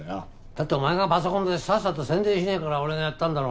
だってお前がパソコンでさっさと宣伝しないから俺がやったんだろ。